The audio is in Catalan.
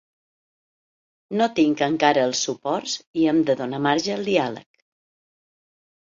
No tinc encara els suports i hem de donar marge al diàleg.